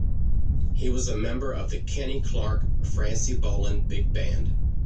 He was a member of The Kenny Clarke-Francy Boland Big Band.